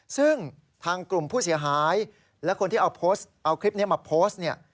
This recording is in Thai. ซึ่งทางกลุ่มผู้เสียหายและคนที่เอาคลิปนี้มาโพสต์เนี่ย